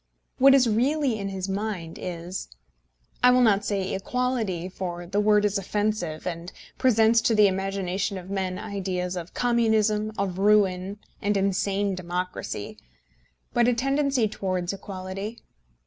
What is really in his mind is, I will not say equality, for the word is offensive, and presents to the imaginations of men ideas of communism, of ruin, and insane democracy, but a tendency towards equality.